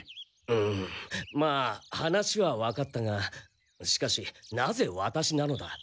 んまあ話はわかったがしかしなぜワタシなのだ？